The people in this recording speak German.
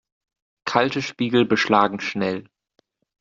Kalte Spiegel beschlagen schnell.